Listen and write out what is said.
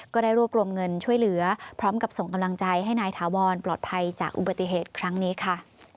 ก็ได้รวบรวมเงินช่วยเหลือพร้อมกับส่งกำลังใจให้นายถาวรปลอดภัยจากอุบัติเหตุครั้งนี้ค่ะ